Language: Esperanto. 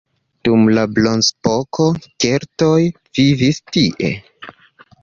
Dum la bronzepoko keltoj vivis tie.